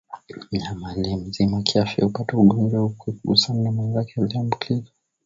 Mnyama aliye mzima kiafya hupata ugonjwa huu kwa kugusana na mwenzake aliyeambukizwa